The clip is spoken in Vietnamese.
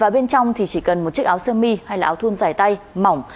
bên trong chỉ cần một chiếc áo siêu mi hay áo thun giải tay mỏng